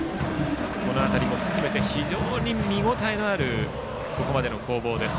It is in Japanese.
この辺りも含めて非常に見応えのあるここまでの攻防です。